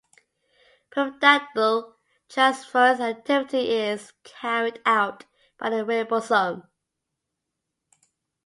Peptidyl transferase activity is carried out by the ribosome.